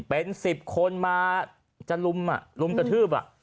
เป็น๑๐คนมาจะลุมลุมกระทืบ